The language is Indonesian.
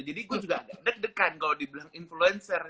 jadi gue juga agak deg degan kalau dibilang influencer